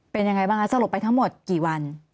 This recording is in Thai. เป็นยังไงบ้างคะสลบไปทั้งหมดกี่วัน